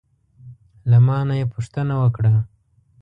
له ما نه یې پوښتنه وکړه: